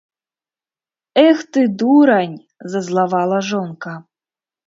- Эх ты, дурань! - зазлавала жонка